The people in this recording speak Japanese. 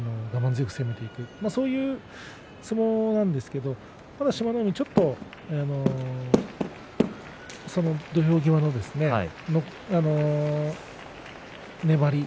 強く攻めていくそういう相撲なんですがただ志摩ノ海、ちょっと土俵際の粘り